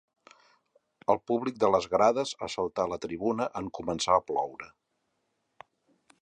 El públic de les grades assaltà la tribuna en començar a ploure.